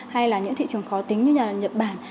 hay là những thị trường khó tính như là nhật bản